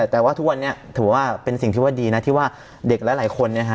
แต่ว่าทุกวันนี้ถือว่าเป็นสิ่งที่ว่าดีนะที่ว่าเด็กหลายคนเนี่ยฮะ